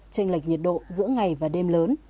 tranh lệch nhiệt độ giữa ngày và đêm lớn